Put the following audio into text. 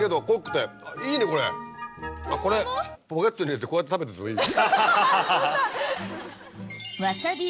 これポケットに入れてこうやって食べててもいい。